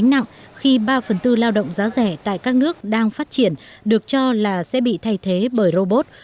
nặng khi ba phần tư lao động giá rẻ tại các nước đang phát triển được cho là sẽ bị thay thế bởi robot